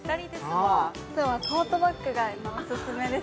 トートバッグが今、オススメです。